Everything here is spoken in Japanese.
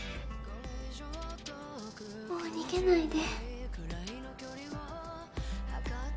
もう逃げないで。